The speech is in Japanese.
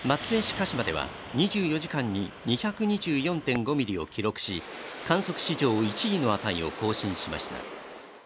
鹿島では２４時間に２２４．５ミリを記録し、観測史上１位の値を更新しました。